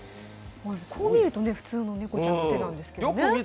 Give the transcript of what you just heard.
こう見ると、普通の猫ちゃんの手なんですけれどもね。